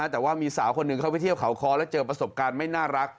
แต่ว่ามีสาวคนหนึ่งเข้าไปเที่ยวเขาคอแล้วเจอประสบการณ์ไม่น่ารัก